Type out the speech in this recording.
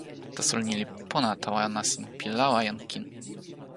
taso ni li pona tawa nasin pi lawa jan kin.